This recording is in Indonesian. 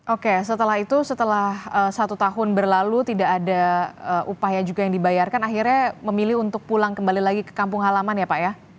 oke setelah itu setelah satu tahun berlalu tidak ada upaya juga yang dibayarkan akhirnya memilih untuk pulang kembali lagi ke kampung halaman ya pak ya